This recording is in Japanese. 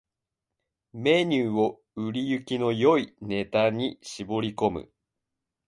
ⅱ メニューを売れ行きの良いネタだけに絞り込む